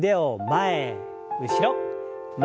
前後ろ。